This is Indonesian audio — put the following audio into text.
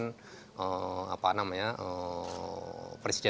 dan presiden dan wakil presiden